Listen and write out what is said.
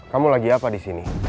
kamu lagi apa di sini